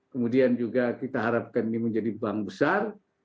kemudian juga kita harapkan ini menjadi bank besar